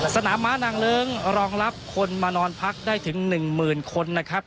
สนามม้านางเลิ้งรองรับคนมานอนพักได้ถึง๑๐๐๐คนนะครับ